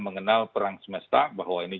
mengenal perang semesta bahwa ini